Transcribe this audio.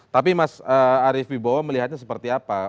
tapi mas arief wibowo melihatnya seperti apa